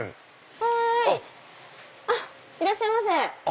はいいらっしゃいませ。